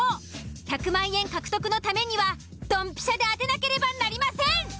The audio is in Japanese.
１００万円獲得のためにはドンピシャで当てなければなりません。